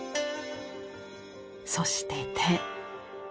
そして手。